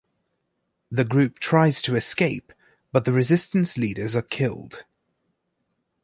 The group tries to escape, but the resistance leaders are killed.